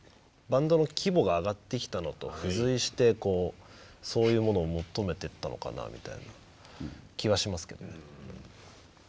バンドの規模が上がってきたのと付随してこうそういうものを求めてったのかなみたいな気はしますけどね。